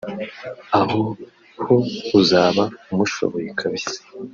aho ho uzaba umushoboye kabisa